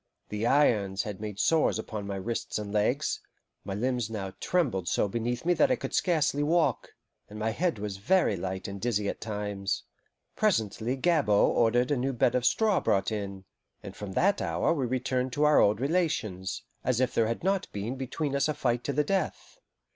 The irons had made sores upon my wrists and legs, my limbs now trembled so beneath me that I could scarcely walk, and my head was very light and dizzy at times. Presently Gabord ordered a new bed of straw brought in; and from that hour we returned to our old relations, as if there had not been between us a fight to the death.